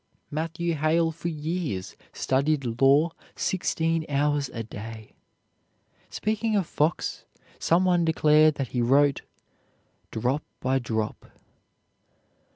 Matthew Hale for years studied law sixteen hours a day. Speaking of Fox, some one declared that he wrote "drop by drop."